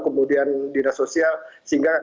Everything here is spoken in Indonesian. kemudian dinas sosial sehingga